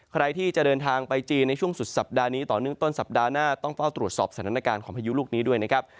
ใครที่จะเดินทางไปจีนในช่วงสุดสัปดาห์นี้ต่อเนื่องต้นสัปดาห์หน้าต้องเฝ้าตรวจสอบสถานการณ์ของพายุลูกนี้ด้วยนะครับ